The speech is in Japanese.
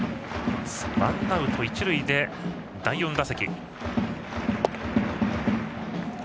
ワンアウト、一塁で第４打席。